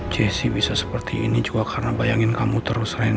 jessi bisa seperti ini juga karena bayangin kamu terus rene